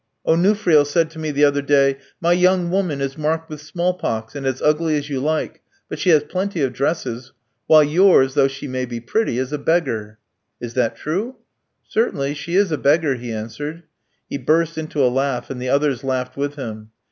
"Onufriel said to me the other day: 'My young woman is marked with small pox, and as ugly as you like; but she has plenty of dresses, while yours, though she may be pretty, is a beggar.'" "Is that true?" "Certainly, she is a beggar," he answered. He burst into a laugh, and the others laughed with him.